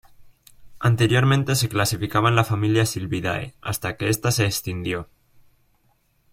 Anteriormente se clasificaba en la familia Sylviidae, hasta que esta se escindió.